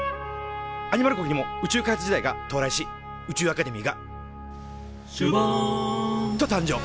アニマル国にも宇宙開発時代が到来し宇宙アカデミーが「シュバン」と誕生。